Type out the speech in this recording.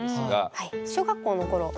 はい。